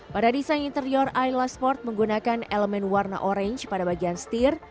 pada desain interior ayla sport menggunakan elemen warna orange pada bagian setir